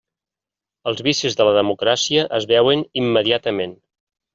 Els vicis de la democràcia es veuen immediatament.